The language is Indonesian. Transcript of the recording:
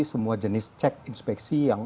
semua jenis cek inspeksi yang